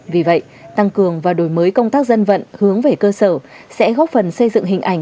vì vậy tăng cường và đổi mới công tác dân vận hướng về cơ sở sẽ góp phần xây dựng hình ảnh